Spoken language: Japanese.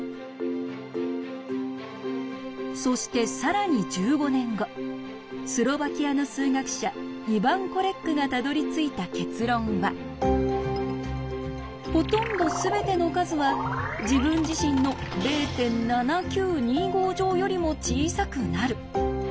そして更に１５年後スロバキアの数学者イバン・コレックがたどりついた結論は「ほとんどすべての数は自分自身の０．７９２５乗よりも小さくなる」。